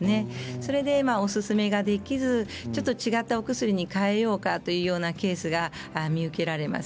それで、おすすめできずちょっと違ったお薬に変えようかというケースが見受けられます。